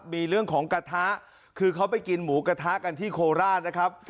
มีเรื่องของกระทะคือเขาไปกินหมูกระทะกันที่โคราชนะครับ